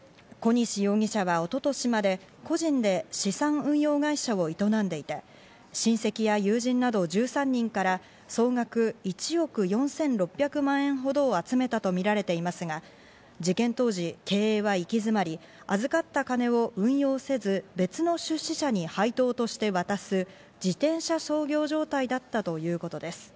小西容疑者は一昨年まで個人で資産運用会社を営んでいて、親戚や友人など１３人から総額１億４６００万円ほどを集めたとみられていますが、事件当時、経営は行き詰まり、預かった金を運用せず、別の出資者に配当として渡す自転車操業状態だったということです。